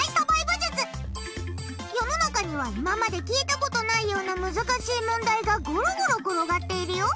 世の中には今まで聞いたことないような難しい問題がゴロゴロ転がっているよ。